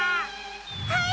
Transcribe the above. はい！